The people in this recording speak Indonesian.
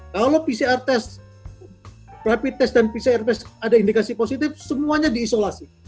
kalau pcr test rapid test dan pcr test ada indikasi positif semuanya diisolasi